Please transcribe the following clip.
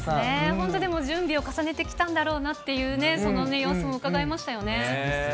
本当、準備を重ねてきたんだろうなという、その様子もうかがえましたよ